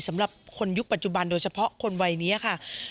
สำหรับคนยุคปัจจุบันโดยเฉพาะคนวัยนี้ค่ะ